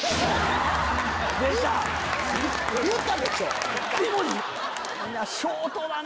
言ったでしょ！